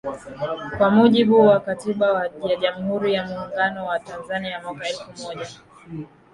Kwa mujibu wa Katiba ya Jamhuri ya Muungano wa Tanzania ya mwaka elfu moja